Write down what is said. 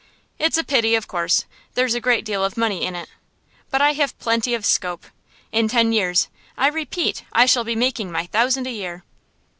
It's a pity, of course; there's a great deal of money in it. But I have plenty of scope. In ten years, I repeat, I shall be making my thousand a year.